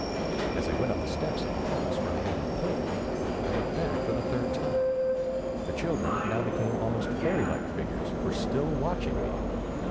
As I went up the steps of the house where I had an appointment, I looked back for the third time. The children, now become almost fairy like figures, were still watching me.